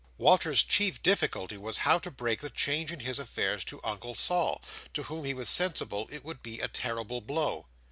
Walter's chief difficulty was, how to break the change in his affairs to Uncle Sol, to whom he was sensible it would be a terrible blow.